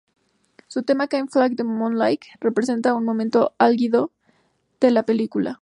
Su tema "Can't Fight the Moonlight" representa un momento álgido de la película.